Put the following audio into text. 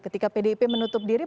ketika pdip menutup diri